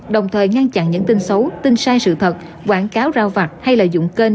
đồng thời ngăn chặn những tin xấu tin sai sự thật quảng cáo rao vặt hay là dụng kênh